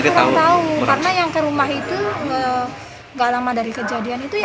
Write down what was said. karena yang ke rumah itu gak lama dari kejadian itu